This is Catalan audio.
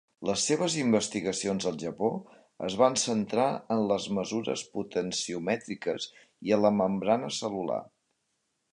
Les seves investigacions al Japó es van centrar en les mesures potenciomètriques i en la membrana cel·lular.